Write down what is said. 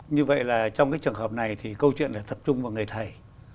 như vậy là trong cái trường hợp này thì câu chuyện là tập trung vào người thầy